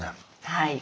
はい。